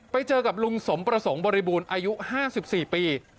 ไปเจอกับลุงสมประสงค์บริบูรณ์อายุ๕๔ปี